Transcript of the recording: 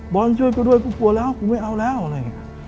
ช่วยกูด้วยกูกลัวแล้วกูไม่เอาแล้วอะไรอย่างนี้